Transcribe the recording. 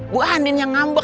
gue andin yang ngambek